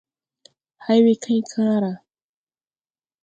Hay we kay kããra.